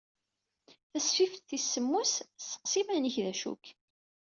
Tasfift tis semmuset "Seqsi iman-ik d acu-k?".